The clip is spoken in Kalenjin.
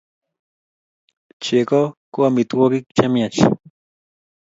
cheko ko amitwagik chemiach